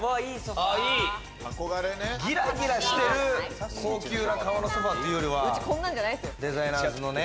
ギラギラしてる高級な革のソファーというよりはデザイナーズのね。